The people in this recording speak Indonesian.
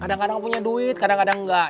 kadang kadang punya duit kadang kadang enggak